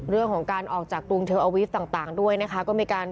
เรื่องของการออกจากกรุงเทอร์อาวีฟต่างด้วยนะใคะ